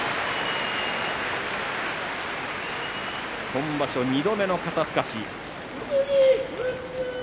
今場所２度目の肩すかし。